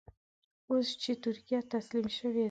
اوس چې ترکیه تسلیم شوې ده.